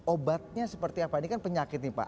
obatnya seperti apa ini kan penyakit nih pak